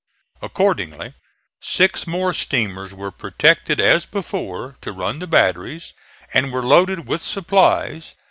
Accordingly six more steamers were protected as before, to run the batteries, and were loaded with supplies.